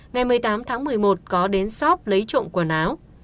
ngày một mươi tám tháng một mươi một có đến sop lấy trộn quần áo